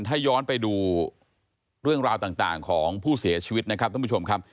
ถ้าย้อนไปดูเรื่องราวต่างของผู้เสียชีวิตนะครับท่านผู้ชมครับ